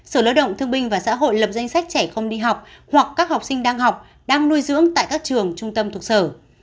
sở lợi động thương binh và xã hội lập danh sách trẻ không đi học hoặc các học sinh đang học đang nuôi dưỡng tại các trường trung tâm thuộc sở